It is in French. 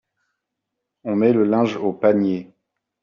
On met le linge au panier.